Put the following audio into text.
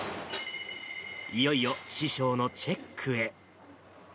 いよいよ師匠のチェックへ。